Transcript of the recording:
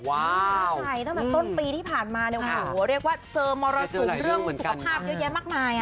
ว้าวตั้งแต่ต้นปีที่ผ่านมาเนี่ยโหเรียกว่าเจอมรสสุขภาพเยอะแยะมากมาย